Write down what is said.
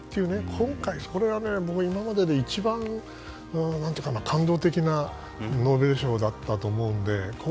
今回、これが今までで一番感動的なノーベル賞だったと思うので。